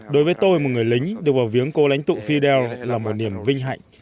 đối với tôi một người lính được bảo viếng cố lãnh tụ fidel là một niềm vinh hạnh